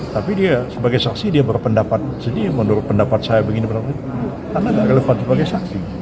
tapi dia sebagai saksi dia berpendapat sendiri menurut pendapat saya begini karena tidak relevan sebagai saksi